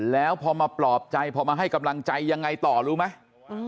แล้วพอมาปลอบใจพอมาให้กำลังใจยังไงต่อรู้ไหม